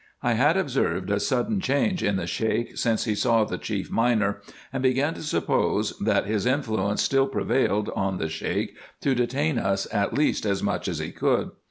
I had observed a sudden change in the Sheik since he saw the chief miner, and began to suppose, that his influence still prevailed on the Sheik to detain us at least as much as he could.